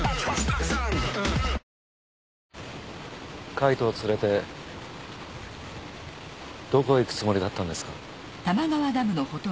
海人を連れてどこへ行くつもりだったんですか？